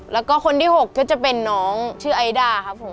แล้วก็คนที่๖ก็จะเป็นน้องชื่อไอด้าครับผม